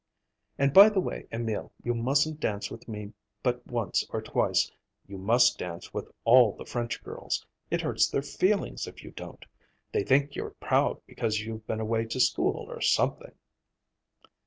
And by the way, Emil, you mustn't dance with me but once or twice. You must dance with all the French girls. It hurts their feelings if you don't. They think you're proud because you've been away to school or something."